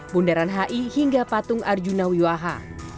bundaran hi hingga patung arjuna wiwaha